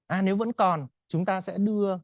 à nếu vẫn còn chúng ta sẽ đưa